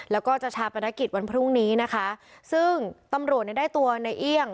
แล้วก็จะชาปนกิจวันพรุ่งนี้นะคะซึ่งตำรวจเนี่ยได้ตัวในเอี่ยง